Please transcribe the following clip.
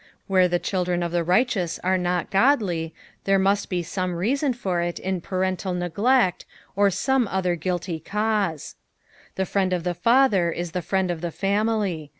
Where the children of the righteous are not godly, there must be some reason for It in parental neglect, or tome other guiHy cause. The friend of the father is the friend of the family.